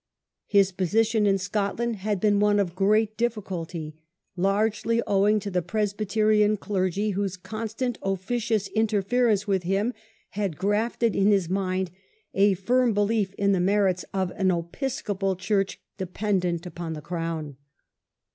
His position in Scotland had been one of great difficulty, largely owing to the Presbyterian clergy, whose constant officious interference with him had grafted in his mind a firm belief in the merits of an Episcopal Church depen dent upon t he crown